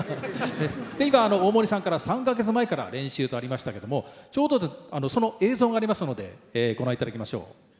今大森さんから３か月前から練習とありましたけどもちょうどその映像がありますのでご覧いただきましょう。